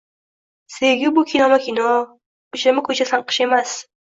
Sevgi bu kinoma-kino, ko‘chama-ko‘cha sanqish emas